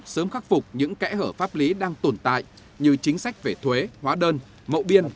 sớm khắc phục những kẽ hở pháp lý đang tồn tại như chính sách về thuế hóa đơn mậu biên